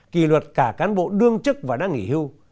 kỳ luật cả cán bộ đương chức và đã nghỉ hưu